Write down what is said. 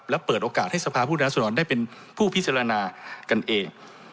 และเปิดโอกาสให้สภาพผู้แทนรัศดรได้เป็นผู้พิจารณากันเอง